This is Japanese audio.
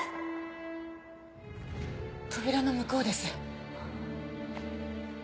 扉の向こうです。